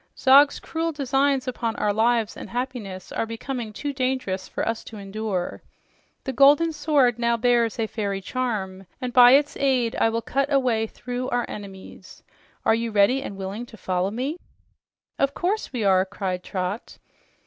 Zog's cruel designs upon our lives and happiness are becoming too dangerous for us to endure. The golden sword now bears a fairy charm, and by its aid I will cut a way through our enemies. Are you ready and willing to follow me?" "Of course we are!" cried Trot.